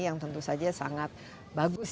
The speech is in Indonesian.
yang tentu saja sangat bagus